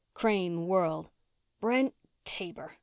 Crane whirled. "Brent Taber!"